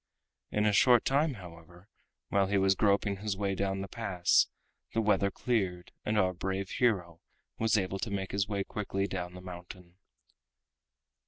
In a short time, however, while he was groping his way down the pass, the weather cleared, and our brave hero was able to make his way quickly down the mountain.